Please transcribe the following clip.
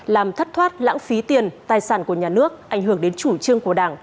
làm thất thoát lãng phí tiền tài sản của nhà nước ảnh hưởng đến chủ trương của đảng